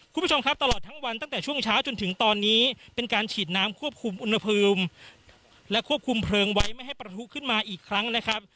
คุณผู้ชมครับตลอดทั้งวันตั้งแต่ช่วงเช้าจนถึงตอนนี้เป็นการฉีดน้ำควบคุมอุณหภูมิและควบคุมเพลิงไว้ไม่ให้ประทุขึ้นมาอีกครั้งนะครับ